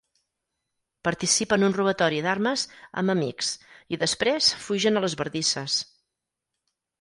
Participa en un robatori d'armes amb amics i després, fugen a les bardisses.